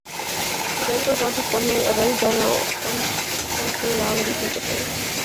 He then goes on to formulate a very general "Functoriality Principle".